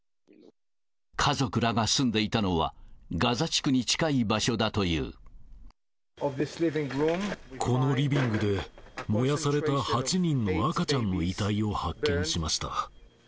家族らが住んでいたのは、このリビングで、燃やされた８人の赤ちゃんの遺体を発見しました。